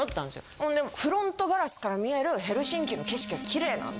ほんで「フロントガラスから見えるヘルシンキの景色はきれいなんだ。